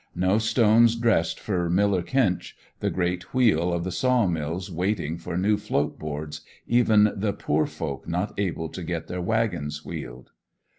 No stones dressed for Miller Kench, the great wheel of the saw mills waiting for new float boards, even the poor folk not able to get their waggons wheeled.